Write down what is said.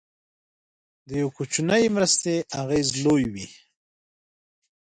د یو کوچنۍ مرستې اغېز لوی وي.